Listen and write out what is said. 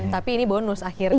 tapi ini bonus akhirnya